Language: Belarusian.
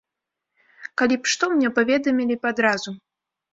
Калі б што, мне паведамілі б адразу.